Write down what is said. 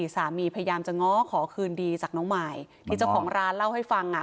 พยายามจะง้อขอคืนดีจากน้องมายที่เจ้าของร้านเล่าให้ฟังอ่ะ